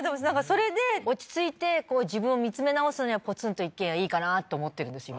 それで落ち着いて自分を見つめ直すにはポツンと一軒家いいかなと思ってるんです